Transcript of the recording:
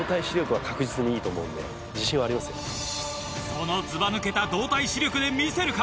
そのずばぬけた動体視力で見せるか？